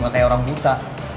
gak kayak orang buta